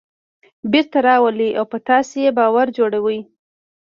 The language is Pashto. بېرته راولي او په تاسې یې باور جوړوي.